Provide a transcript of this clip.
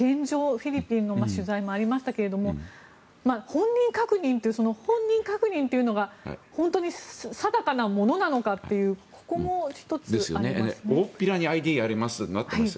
フィリピンの取材もありましたが本人確認というその本人確認というのが本当にさだかなものなのかというのもありますね。